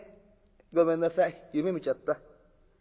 ごめんなさい夢みちゃった。